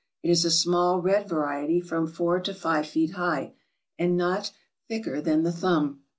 It is a small, red variety, from four to five feet high, and not thicker than the thumb.